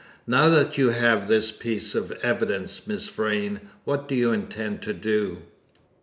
"Now that you have this piece of evidence, Miss Vrain, what do you intend to do?"